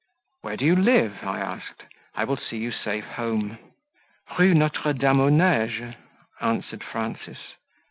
"Where do you live?" I asked; "I will see you safe home." "Rue Notre Dame aux Neiges," answered Frances.